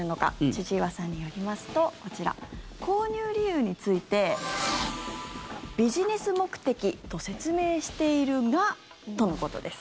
千々岩さんによりますとこちら、購入理由についてビジネス目的と説明しているがとのことです。